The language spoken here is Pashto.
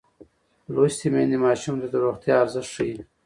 لوستې میندې ماشوم ته د روغتیا ارزښت ښيي.